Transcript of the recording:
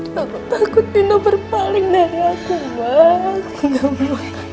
takut takut nino berpaling dari aku